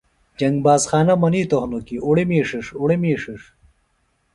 جنگ باز خانہ منِیتوۡ ہِنوۡ کیۡ اُڑیۡ می ݜݜ، اُڑیۡ می ݜݜ